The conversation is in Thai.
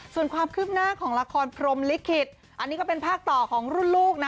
ส่วนความคืบหน้าของละครพรมลิขิตอันนี้ก็เป็นภาคต่อของรุ่นลูกนะ